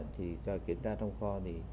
thì kiểm tra trong kho